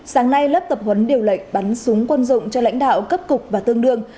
sáng nay lớp tập huấn điều lệnh bắn súng quân dụng cho lãnh đạo cấp cục và tương đương